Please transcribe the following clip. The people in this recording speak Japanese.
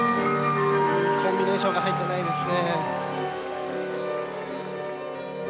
コンビネーションが入ってないですね。